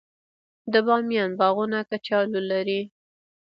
د بامیان باغونه کچالو لري.